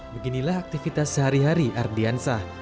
beginilah aktivitas sehari hari ardiansah